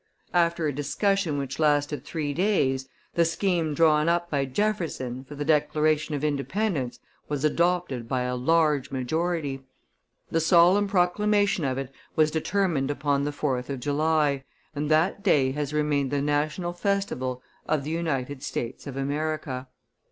After a discussion which lasted three days, the scheme drawn up by Jefferson, for the declaration of Independence, was adopted by a large majority. The solemn proclamation of it was determined upon on the 4th of July, and that day has remained the national festival of the United States of America.